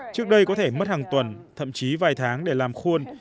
trước đây có thể mất hàng tuần thậm chí vài tháng để làm khuôn